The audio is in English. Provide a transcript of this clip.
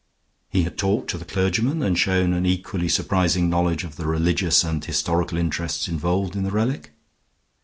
He had talked to the clergyman, and shown an equally surprising knowledge of the religious and historical interests involved in the relic.